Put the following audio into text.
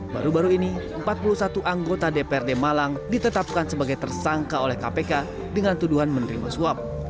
baru baru ini empat puluh satu anggota dprd malang ditetapkan sebagai tersangka oleh kpk dengan tuduhan menerima suap